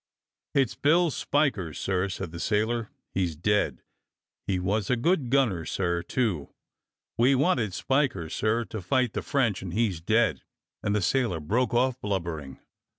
*'It's Bill Spiker, sir," said the sailor. "He's dead! He was a good gunner, sir, too. We wanted Spiker, sir, to fight the French — and he's dead!" And the sailor broke off blubbering.